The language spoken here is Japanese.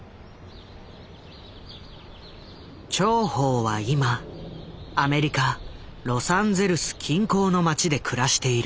趙は今アメリカ・ロサンゼルス近郊の街で暮らしている。